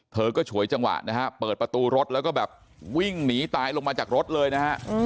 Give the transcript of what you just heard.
เธอก็ฉวยจังหวะนะฮะเปิดประตูรถแล้วก็แบบวิ่งหนีตายลงมาจากรถเลยนะฮะ